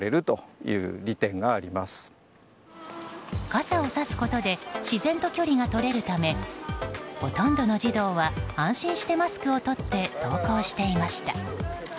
傘をさすことで自然と距離が取れるためほとんどの児童は安心してマスクを取って登校していました。